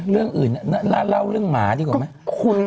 เรื่องอื่นน่าเล่าเรื่องหมาดีกว่าไหม